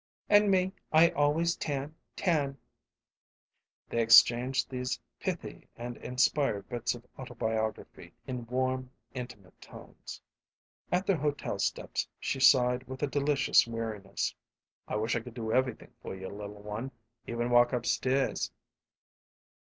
"And me, I always tan tan." They exchanged these pithy and inspired bits of autobiography in warm, intimate tones. At their hotel steps she sighed with a delicious weariness. "I wish I could do everything for you, little one even walk up stairs."